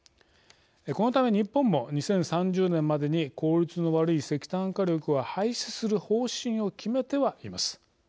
このため日本も２０３０年までに効率の悪い石炭火力を廃止する方針を決めてはいます。